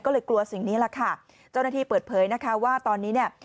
ก็เลยกลัวสิ่งนี้แหละค่ะเจ้าหน้าที่เปิดเผยนะคะว่าตอนนี้เนี่ย